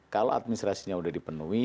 kalau administrasinya sudah dipenuhi